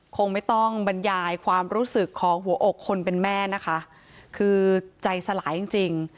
คงไม่ต้องบรรยายความรู้สึกของหัวอกคนเป็นแม่นะคะคือใจสลายจริงจริง